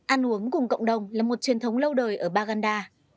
ăn uống cùng cộng đồng là một truyền thống lâu đời ở baganda